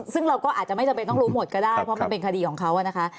ซึ่งเราก็อาจจะไม่จำเป็นต้องรู้หมดก็ได้เพราะมันเป็นคดีของเขานะคะ